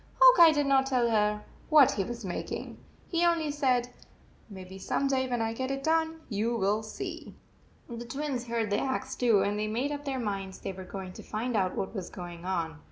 Hawk Eye did not tell her what he was making. He only said, " Maybe some day, when I get it done, you will see." The Twins heard the axe too, and they made up their minds they were going to find out what was going on.